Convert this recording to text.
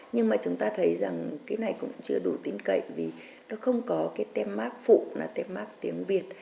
nhưng mà chúng ta thấy rằng cái này cũng chưa đủ tin cậy vì nó không có cái tem mark phụ là tem mát tiếng việt